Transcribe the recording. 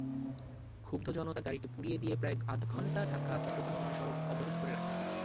ক্ষুব্ধ জনতা গাড়িটি পুড়িয়ে দিয়ে প্রায় আধঘণ্টা ঢাকা-চট্টগ্রাম মহাসড়ক অবরোধ করে রাখেন।